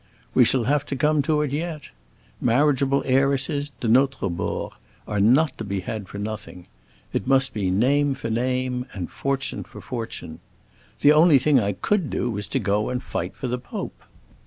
We shall have to come to it, yet. Marriageable heiresses, de notre bord, are not to be had for nothing; it must be name for name, and fortune for fortune. The only thing I could do was to go and fight for the Pope.